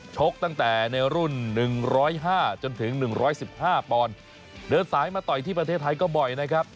ชกตั้งแต่ในรุ่นหนึ่งร้อยห้าจนถึงหนึ่งร้อยสิบห้าปอนเดินสายมาต่อยที่ประเทศไทยก็บ่อยนะครับ